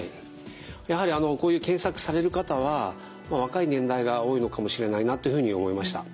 やはりこういう検索される方は若い年代が多いのかもしれないなというふうに思いました。